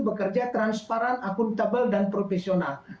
bekerja transparan akuntabel dan profesional